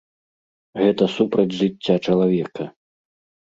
Гэта супраць жыцця чалавека.